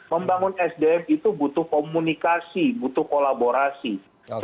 membangun sdm itu butuh komunikasi butuh kolaborasi